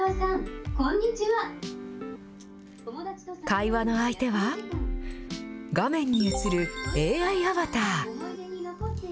会話の相手は、画面に映るＡＩアバター。